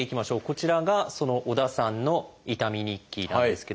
こちらがその織田さんの「痛み日記」なんですけども。